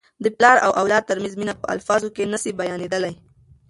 د پلار او اولاد ترمنځ مینه په الفاظو کي نه سي بیانیدلی.